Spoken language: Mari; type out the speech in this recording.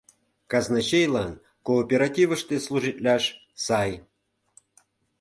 Казначейлан кооперативыште служитлаш сай.